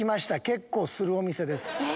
結構するお店です。